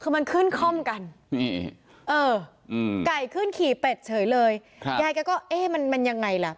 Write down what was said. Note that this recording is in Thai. คือมันขึ้นคล่อมกันไก่ขึ้นขี่เป็ดเฉยเลยยายแกก็เอ๊ะมันมันยังไงล่ะ